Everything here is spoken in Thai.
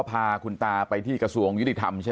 ปากกับภาคภูมิ